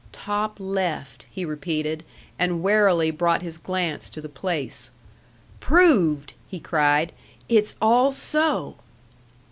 Top, left," he repeated, and warily brought his glance to the place. "Proved!" he cried. "It's all so!"